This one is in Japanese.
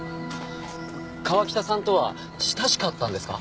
川喜多さんとは親しかったんですか？